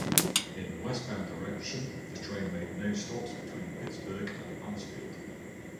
In the westbound direction the train made no stops between Pittsburgh and Mansfield.